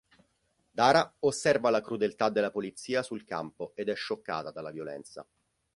Dara osserva la crudeltà della polizia sul campo ed è scioccata dalla violenza.